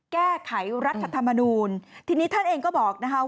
แก้ไขรัฐธรรมนูลทีนี้ท่านเองก็บอกนะคะ